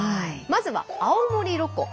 まずは青森ロコ